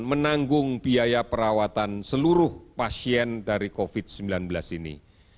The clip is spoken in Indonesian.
menanggung biaya perawatan seluruh pasien dari covid sembilan belas ini